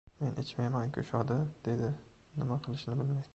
— Men ichmayman-ku, Shodi!..— dedim nima qilishimni bilmay.